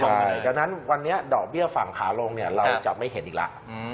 เพราะฉะนั้นวันนี้ดอกเบี้ยฝั่งขาลงเราจะไม่เห็นอีกแล้ว